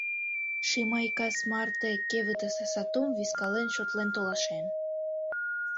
Шимай кас марте кевытысе сатум вискален шотлен толашен.